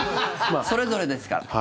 それぞれですから。